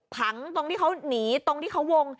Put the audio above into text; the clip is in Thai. ผังตรงที่เขาหนีตรงที่เขาวง